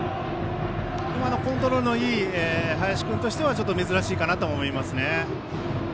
コントロールのいい林君としては珍しいかなと思います。